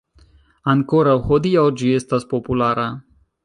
Ankoraŭ hodiaŭ ĝi estas populara.